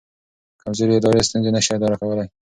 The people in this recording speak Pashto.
کمزوري ادارې ستونزې نه شي اداره کولی.